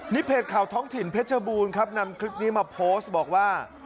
นี่เพจข่าวท้องถิ่นเพชรบูรณ์ครับนำคลิปนี้มาโพสต์บอกว่า